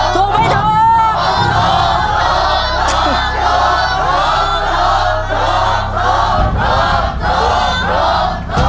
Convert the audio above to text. ถูกไหมถูก